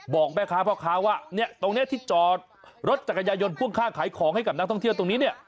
บอกแม่ค้าพ่อค้าว่าเนี่ยตรงนี้ที่จอดรถจักรยายนพ่วงข้างขายของให้กับนักท่องเที่ยวตรงนี้เนี่ย